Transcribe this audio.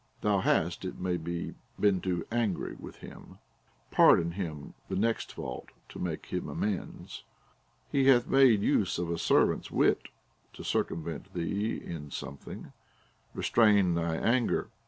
Thou hast, it may be, been too angry with him ; pardon him the next fault to make him amends. He hath made use of a servant's wit to circumvent thee in sometliing ; restrain thy anger.